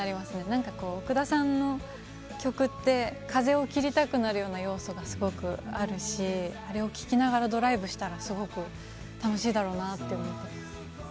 何かこう奥田さんの曲って風を切りたくなるような要素がすごくあるしあれを聴きながらドライブしたらすごく楽しいだろうなあって思ってます。